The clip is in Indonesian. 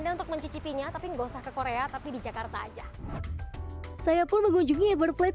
anda untuk mencicipinya tapi nggak usah ke korea tapi di jakarta aja saya pun mengunjungi everplate